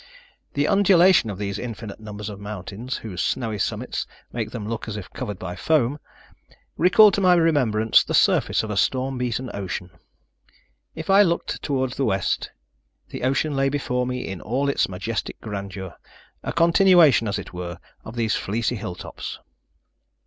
The undulation of these infinite numbers of mountains, whose snowy summits make them look as if covered by foam, recalled to my remembrance the surface of a storm beaten ocean. If I looked towards the west, the ocean lay before me in all its majestic grandeur, a continuation as it were, of these fleecy hilltops.